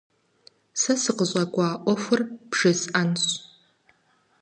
Сэ сыкъыщӏэкӏуа ӏуэхур бжесӏэнщ.